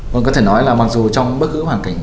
vâng có thể nói là mặc dù trong bất cứ hoàn cảnh